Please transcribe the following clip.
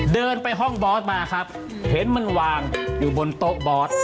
เดินไปห้องบอสมาครับเห็นมันวางอยู่บนโต๊ะบอส